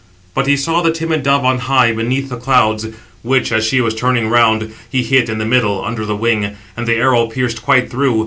But he saw the timid dove on high beneath the clouds, which, as she was turning round, he hit in the middle under the wing, and the arrow pierced quite through.